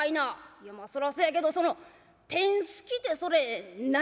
「いやまあそらそうやけどそのテンすきてそれ何や？」。